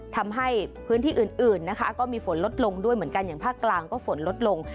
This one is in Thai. ทำให้พื้นที่อื่นนะคะก็มีฝนลดลงด้วยเหมือนกันอย่างภาคกลางก็ฝนลดลง